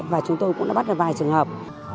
và chúng tôi cũng đã bắt được vài trường hợp